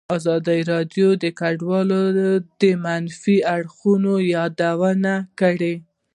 ازادي راډیو د کډوال د منفي اړخونو یادونه کړې.